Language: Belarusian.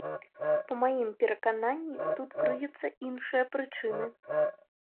Па маім перакананні тут крыюцца іншыя прычыны.